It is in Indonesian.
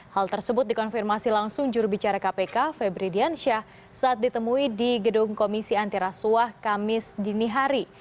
hal tersebut dikonfirmasi langsung jurubicara kpk febri diansyah saat ditemui di gedung komisi antirasuah kamis dinihari